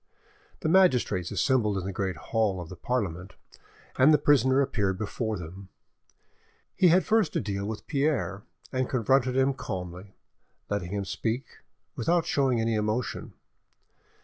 The magistrates assembled in the great hall of the Parliament, and the prisoner appeared before them. He had first to deal with Pierre, and confronted him calmly, letting him speak, without showing any emotion.